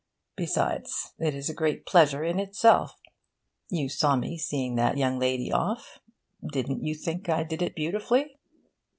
Besides, it is a great pleasure in itself. You saw me seeing that young lady off. Didn't you think I did it beautifully?'